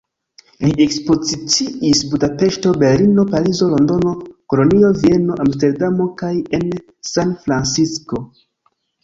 Li ekspoziciis Budapeŝto, Berlino, Parizo, Londono, Kolonjo, Vieno, Amsterdamo kaj en San Francisco.